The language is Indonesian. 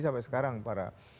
sampai sekarang para